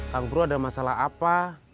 kang bru ada masalah apa